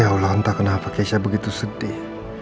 ya allah entah kenapa keisha begitu sedih